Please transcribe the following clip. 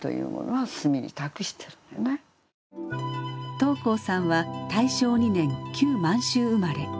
桃紅さんは大正２年旧満州生まれ。